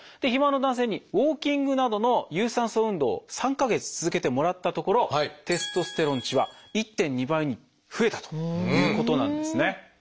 肥満の男性にウォーキングなどの有酸素運動を３か月続けてもらったところテストステロン値は１．２倍に増えたということなんですね。